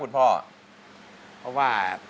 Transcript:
เพลงนี้ที่๕หมื่นบาทแล้วน้องแคน